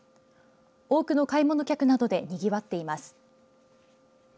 多くの買い物客などでにぎわっています。